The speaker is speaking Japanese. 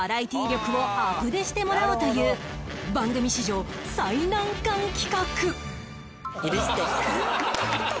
力をアプデしてもらおうという番組史上最難関企画